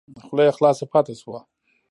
خوله یې خلاصه پاته شوه !